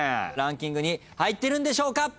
ランキングに入っているんでしょうか。